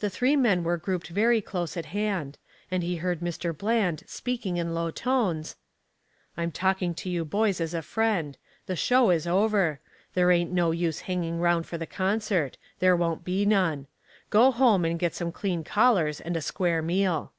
The three men were grouped very close at hand, and he heard Mr. Bland speaking in low tones: "I'm talking to you boys as a friend. The show is over. There ain't no use hanging round for the concert there won't be none. Go home and get some clean collars and a square meal."